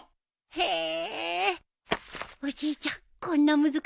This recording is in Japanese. へえ。